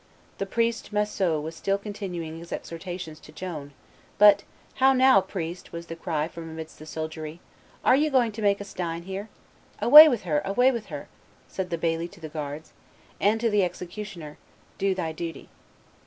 The priest Massieu was still continuing his exhortations to Joan, but "How now! priest," was the cry from amidst the soldiery, "are you going to make us dine here?" "Away with her! Away with her!" said the baillie to the guards; and to the executioner, "Do thy duty."